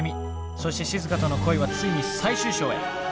そしてしずかとの恋はついに最終章へ。